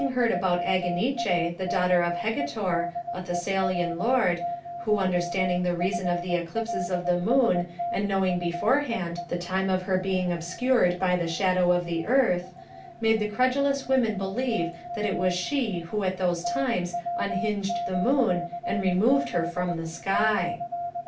heard about Aganice, the daughter of Hegetor, a Thessa lian lord, who understanding the reason of the eclipses of the moon, and knowing beforehand the time of her being obscured by the shadow of the earth, made the credulous women believe that it was she who at those times unhinged the moon and removed her from the sky.